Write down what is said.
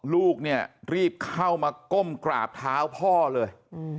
ลูกเนี่ยรีบเข้ามาก้มกราบเท้าพ่อเลย